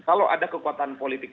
kalau ada kekuatan politik